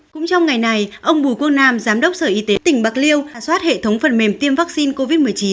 cũng trong ngày này ông bù quân nam giám đốc sở y tế tỉnh bạc liêu giả soát hệ thống phần mềm tiêm vaccine covid một mươi chín